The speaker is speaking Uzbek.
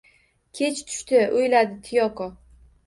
Kech tushdi, o`yladi Tiyoko